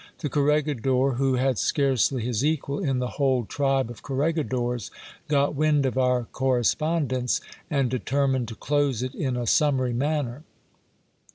The corregidor, who had scarcely his equal in the whole tribe of corregidors, got wind of our corre spondence, and determined to close it in a summary manner.